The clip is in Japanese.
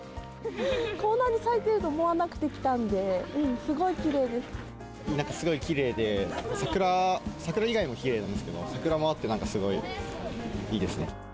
こんなに咲いてると思わなくなんかすごいきれいで、桜以外もきれいなんですけど、桜もあって、なんかすごいいいですね。